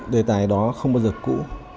đề tài đó không bao giờ cũ